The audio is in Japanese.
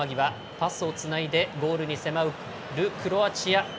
パスをつないでゴールに迫るクロアチア。